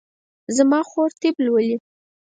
زما خور طب لولي